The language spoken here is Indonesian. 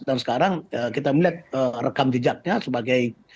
dan sekarang kita melihat rekam jejaknya sebagai